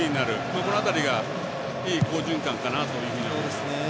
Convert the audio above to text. この辺りがいい好循環かなと思います。